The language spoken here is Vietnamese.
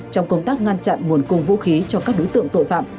trong công tác ngăn chặn nguồn cung vũ khí cho các đối tượng tội phạm